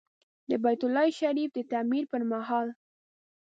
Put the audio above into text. د بیت الله شریف د تعمیر پر مهال.